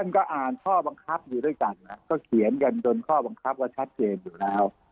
ก็อ่านข้อบังคับอยู่ด้วยกันก็เขียนกันจนข้อบังคับว่าชัดเจนอยู่แล้ว